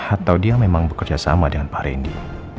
atau dia memang bekerja sama dengan pak randy